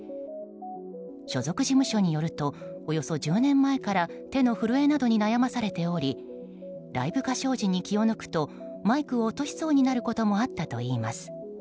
所属事務所によるとおよそ１０年前から手の震えなどに悩まされておりライブ歌唱時に気を抜くとマイクを落としそうになることもあったといいます。